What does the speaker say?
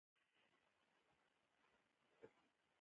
زه غواړم چې د خپلې ټولنې د پرمختګ لپاره هر ممکن کار وکړم